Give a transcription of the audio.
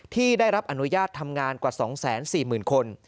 ที่ได้รับอนุญาตทำงานกว่า๒๔๐๐๐คน